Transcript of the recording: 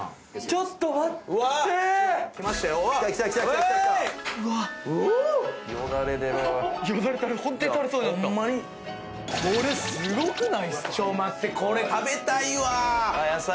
ちょ待ってこれ食べたいわ野菜